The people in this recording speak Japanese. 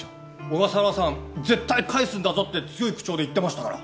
小笠原さん絶対返すんだぞって強い口調で言ってましたから。